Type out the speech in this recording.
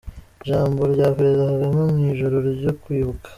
Ijambo rya Perezida Kagame mu ijoro ryo kwibuka.